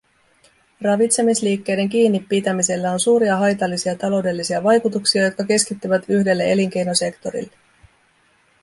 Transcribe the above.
Ravitsemisliikkeiden kiinnipitämisellä on suuria haitallisia taloudellisia vaikutuksia, jotka keskittyvät yhdelle elinkeinosektorille.